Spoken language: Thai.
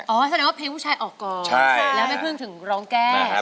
แสดงว่าเพลงผู้ชายออกก่อนแล้วแม่พึ่งถึงร้องแก้